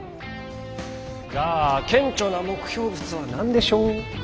じゃあ顕著な目標物は何でしょう？